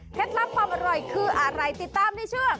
ลับความอร่อยคืออะไรติดตามในช่วง